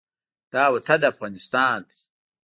دا وطن افغانستان دى.